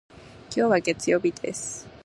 今日は月曜日です。